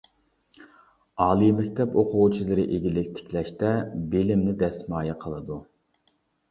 ئالىي مەكتەپ ئوقۇغۇچىلىرى ئىگىلىك تىكلەشتە بىلىمنى دەسمايە قىلىدۇ!